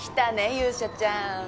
勇者ちゃん